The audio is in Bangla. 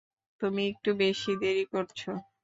তুমি একটু বেশি দেরি করছো।